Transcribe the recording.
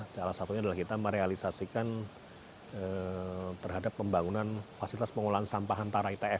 salah satunya adalah kita merealisasikan terhadap pembangunan fasilitas pengolahan sampah antara its